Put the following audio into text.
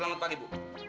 selamat pagi bu